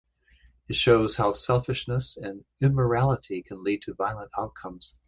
It shows how selfishness and immorality can lead to violent outcomes.